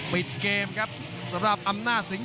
ปิดเกมครับสำหรับอำนาจสิงห